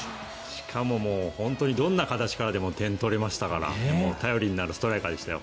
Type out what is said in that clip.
しかもどんな形からでも点が取れましたから頼りになるストライカーでしたよ。